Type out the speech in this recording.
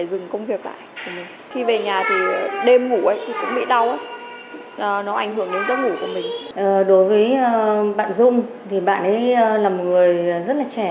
đối với bạn dung bạn ấy là một người rất là trẻ